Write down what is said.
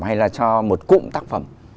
hay là cho một cụm tác phẩm